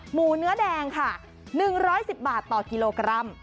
หมูเนื้อแดงค่ะ๑๑๐บาทต่อกิโลกรัม